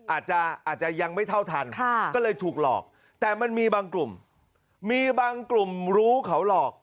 อาจจะอาจจะยังไม่เท่าทันก็เลยถูกหลอกแต่มันมีบางกลุ่มมีบางกลุ่มรู้เขาหลอก